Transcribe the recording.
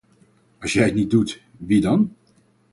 Als jij het niet doet, wie dan?